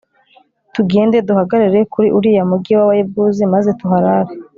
tugende duhagarare kuri uriya mugi w'abayebuzi, maze tuharare